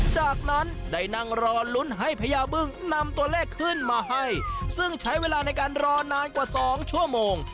จากนั้นได้นั่งรอลุ้นให้พญาบึ้งนำตัวเลขขึ้นมาให้ซึ่งใช้เวลาในการรอนานกว่าสองชั่วโมง